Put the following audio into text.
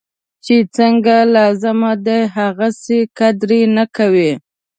چی څنګه لازم دی هغسې قدر یې نه کوي.